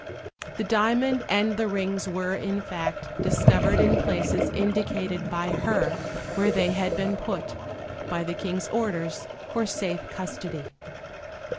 The diamond and the rings were, in fact, discovered in places indicated by her where they had been put, by the King's orders, for safe custody.